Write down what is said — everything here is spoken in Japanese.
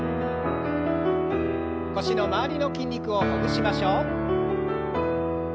腰の周りの筋肉をほぐしましょう。